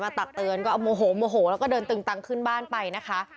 ตักเตือนก็เอาโมโหโมโหแล้วก็เดินตึงตังขึ้นบ้านไปนะคะ